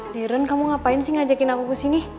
deren kamu ngapain sih ngajakin aku kesini